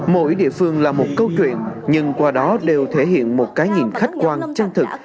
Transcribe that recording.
mỗi địa phương là một câu chuyện nhưng qua đó đều thể hiện một cái nhìn khách quan chân thực